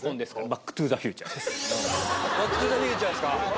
『バック・トゥ・ザ・フューチャー』ですか。